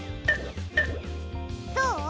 どう？